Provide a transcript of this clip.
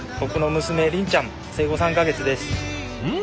うん！